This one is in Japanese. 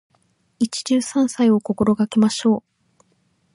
一汁三菜を心がけましょう。